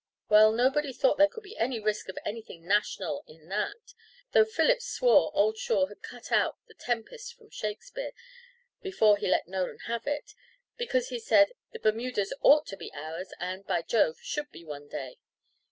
Well, nobody thought there could be any risk of anything national in that, though Phillips swore old Shaw had cut out the "Tempest" from Shakespeare before he let Nolan have it, because he said "the Bermudas ought to be ours, and, by Jove, should be one day."